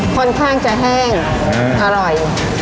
ค่อนข้างจะแห้งอร่อย